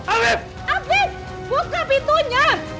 afif buka pintunya